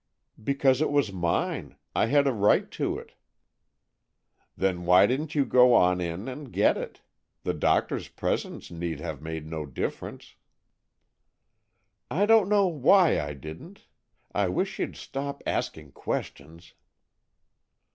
"Because it was mine. I had a right to it." "Then why didn't you go on in and get it? The doctors' presence need have made no difference." "I don't know why I didn't! I wish you'd stop asking questions!"